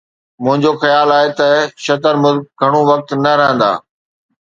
منهنجو خيال آهي ته شتر مرغ گهڻو وقت نه رهندا.